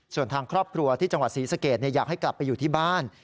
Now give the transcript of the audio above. ส่วนทางครอบครัวที่จังหวัดศรีสะเกดอยากให้กลับไปอยู่ที่บ้าน